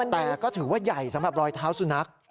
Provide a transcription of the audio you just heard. แต่ก็ถือว่าใหญ่สำหรับรอยเท้าสุนัข